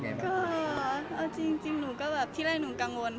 ก็เอาจริงหนูก็แบบที่แรกหนูกังวล